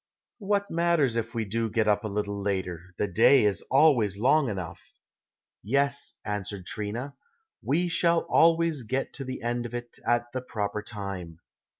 What matters if we do get up a little later the day is always long enough." "Yes," answered Trina, "we shall always get to the end of it at the proper time.